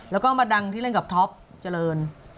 แล้วก็มาดังที่เล่นกับท็อปเจริญ